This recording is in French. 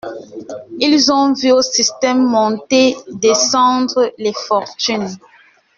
Ils ont vu au Système monter, descendre les fortunes.